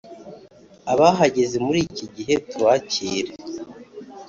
Abahageze muri iki gihe tubakire